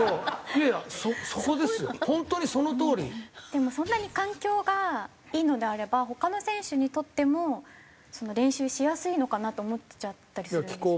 でもそんなに環境がいいのであれば他の選手にとっても練習しやすいのかなと思っちゃったりするんですけど。